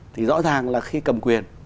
thì rõ ràng là khi cầm quyền